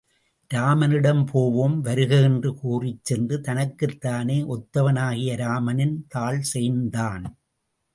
இராமனிடம் போவோம் வருக என்று கூறிச் சென்று தனக்குத் தானே ஒத்தவனாகிய இராமனின் தாள் சேர்ந்தான்.